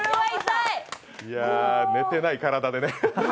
いやー、寝てない体でね。